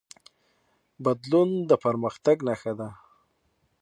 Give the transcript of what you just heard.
بدلون د پرمختګ نښه ده.